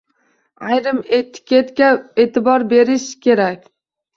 Ayrim etiketga e’tibor berish kerak.